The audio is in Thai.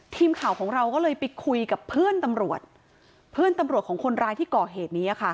ทีมข่าวของเราก็เลยไปคุยกับเพื่อนตำรวจเพื่อนตำรวจของคนร้ายที่ก่อเหตุนี้ค่ะ